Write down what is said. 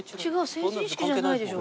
成人式じゃないでしょ。